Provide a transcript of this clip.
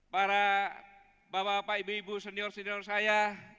para bapak bapak ibu ibu senior senior saya